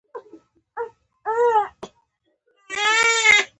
کومي بېکرۍ ته ځو ؟